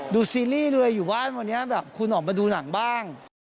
ซีรีส์ดูเลยอยู่บ้านวันนี้แบบคุณออกมาดูหนังบ้าง